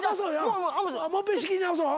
もう一遍仕切り直そう。